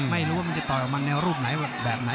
ไม่รู้ว่ามันจะต่อยออกมาในรูปไหนแบบไหน